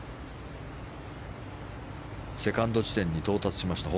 セカンド地点に到達しました。